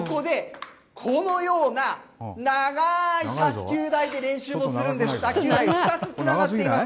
そこで、このような長い卓球台で練習をするんですが、卓球台、２つつながっています。